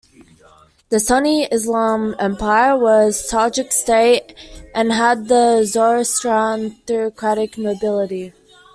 The Sunni Islam empire was a Tajik state and had a Zoroastrian theocratic nobility.